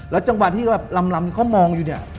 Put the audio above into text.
จังหวะที่แบบลำเขามองอยู่เนี่ย